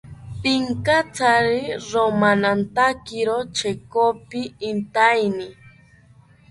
Pinkatsari romanatakiro chekopi intaeni